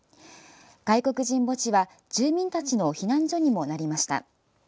外国人墓地は住民たちの避難所にもなりました。